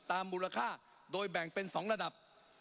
มูลค่าโดยแบ่งเป็น๒ระดับ